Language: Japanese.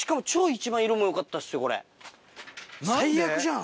最悪じゃん。